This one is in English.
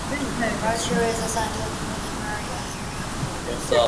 Rachel (Erica Tazel) is assigned to accompany Mary at her house.